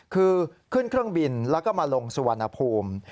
คือขึ้นเครื่องบินแล้วก็มาลงสุวรรณภูมิ